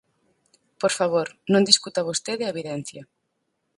Por favor, non discuta vostede a evidencia.